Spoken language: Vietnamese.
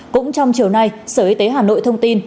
cũng trong chiều nay sở y tế hà nội thông tin